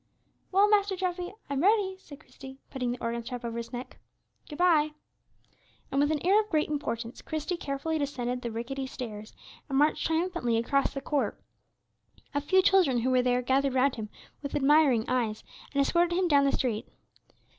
"Well, Master Treffy, I'm ready," said Christy, putting the organ strap over his neck; "good bye." And, with an air of great importance, Christie carefully descended the rickety stairs, and marched triumphantly across the court. A few children who were there gathered round him with admiring eyes, and escorted him down the street.